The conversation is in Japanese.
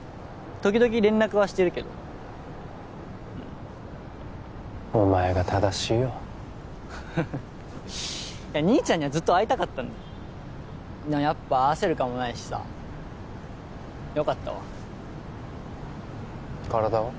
時々連絡はしてるけどうんお前が正しいよフフッ兄ちゃんにはずっと会いたかったんだよでもやっぱ合わせる顔もないしさよかったわ体は？